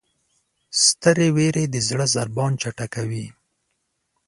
سترې وېرې د زړه ضربان چټکوي.